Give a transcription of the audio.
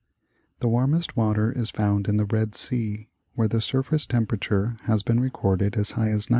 The warmest water is found in the Hed Sea where the surface temperature has been recorded as high as 90°.